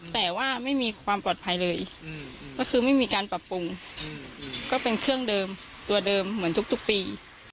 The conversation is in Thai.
แต่ว่าไม่มีความปลอดภัยเลยก็คือไม่มีการปรับปรุงก็เป็นเครื่องเดิมตัวเดิมเหมือนทุกปี